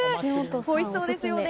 おいしそうですよね。